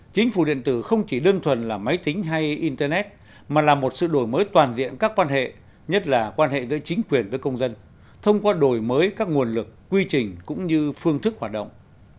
chính phủ điện tử không chỉ đơn thuần là máy tính hay internet mà là một sự đổi mới toàn diện các quan hệ nhất là quan hệ giữa chính quyền với công dân thông qua đổi mới các nguồn lực quy trình cũng như phương thức hoạt động